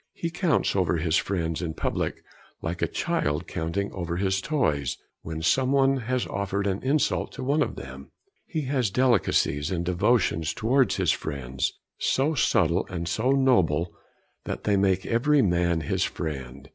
He counts over his friends in public, like a child counting over his toys, when some one has offered an insult to one of them. He has delicacies and devotions towards his friends, so subtle and so noble that they make every man his friend.